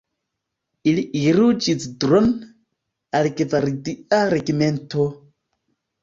Ili iru Ĵizdro'n, al gvardia regimento.